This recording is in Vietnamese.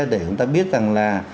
để chúng ta biết rằng là